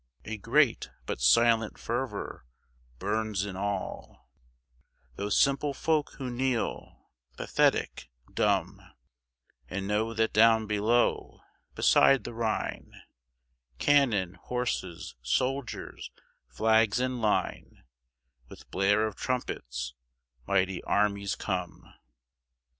A great but silent fervour burns in all Those simple folk who kneel, pathetic, dumb, And know that down below, beside the Rhine Cannon, horses, soldiers, flags in line With blare of trumpets, mighty armies come.